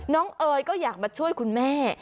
เอ๋ยก็อยากมาช่วยคุณแม่